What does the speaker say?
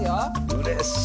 うれしい！